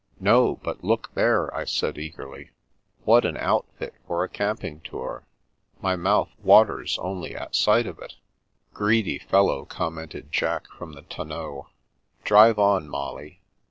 "" No, but look there," I said eagerly. " What an outfit for a camping tour ! My mouth waters only at sight of it." " Greedy fellow," commented Jack from the ton neau. " Drive on, Molly.